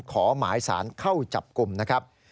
ขอหมายสารเข้าจับกลุ่มนะครับ